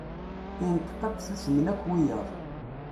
Ineṭeq-d susemen akka wiyaḍ.